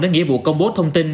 đến nghĩa vụ công bố thông tin